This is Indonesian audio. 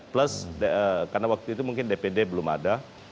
plus karena waktu itu mungkin dpd belum ada